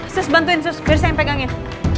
sus bantuin sus biar saya yang pegangin